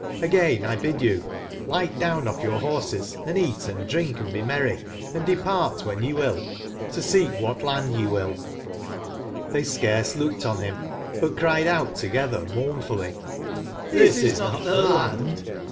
Hgain X bid you light down off your horses, and eat and drink, and be merry; & depart when ye will, to seek 3 what land yc will" j!^ ITbey ecarce looked on bim, but cried out together mournfully: ''^bie is not tbe Land!